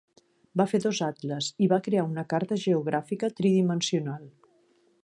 Va fer dos atles, i va crear una carta geogràfica tridimensional.